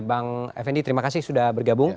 bang effendi terima kasih sudah bergabung